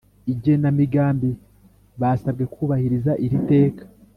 Igenamigambi basabwe kubahiriza iri teka